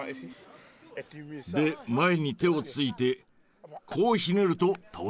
で前に手をついてこうひねると倒せる。